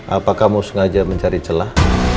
apa kamu sengaja mencari celah